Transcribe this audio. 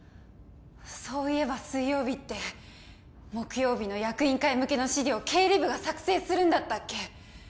そういえば水曜日って木曜日の役員会向けの資料経理部が作成するんだったっけ？